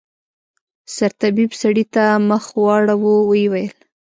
سرطبيب سړي ته مخ واړاوه ويې ويل.